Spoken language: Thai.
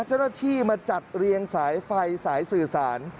เจ้าหน้าที่มาจัดเรียงสายไฟสายสื่อสาร